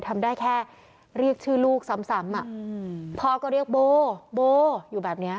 ทำได้แค่เรียกชื่อลูกซ้ำพ่อก็เรียกโบโบอยู่แบบเนี้ย